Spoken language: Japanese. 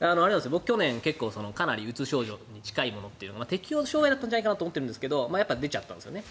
僕、去年かなりうつ症状に近いものという適応障害だったんじゃないかなと思っているんですけど出ちゃったんですよね。